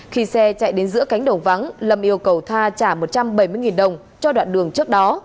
khi xe chạy đến giữa cánh đầu vắng lâm yêu cầu tha trả một trăm bảy mươi đồng cho đoạn đường trước đó